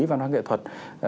văn hóa nghệ thuật